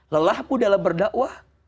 lelahmu dalam berdakwah